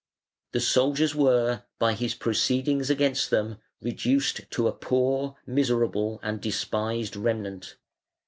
The soldiers were, by his proceedings against them, reduced to a poor, miserable, and despised remnant.